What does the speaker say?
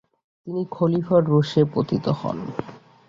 তিনি খলিফার রোষে পতিত হন।